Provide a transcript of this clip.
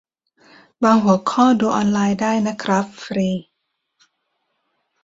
บางหัวข้อดูออนไลนได้นะครับ ฟรี